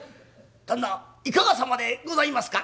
旦那いかがさまでございますか」。